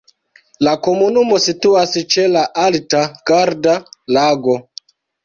La komunumo situas ĉe la alta Garda-Lago.